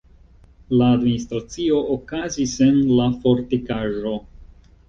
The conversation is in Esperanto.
La administracio okazis en la fortikaĵo.